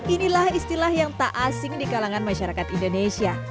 inilah istilah yang tak asing di kalangan masyarakat indonesia